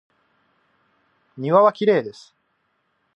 庭はきれいです。